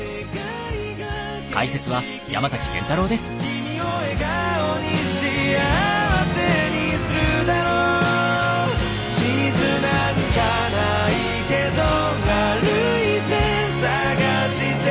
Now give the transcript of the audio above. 「君を笑顔に幸せにするだろう」「地図なんかないけど歩いて探して」